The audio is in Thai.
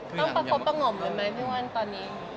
ต้องประคบประงงหมเลยไหมพี่วันตอนนี้